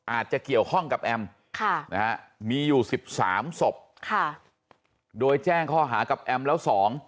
อาจจะเกี่ยวข้องกับแอมมีอยู่๑๓ศพโดยแจ้งข้อหากับแอมแล้ว๒